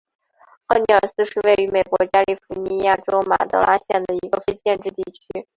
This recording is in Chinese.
奥尼尔斯是位于美国加利福尼亚州马德拉县的一个非建制地区。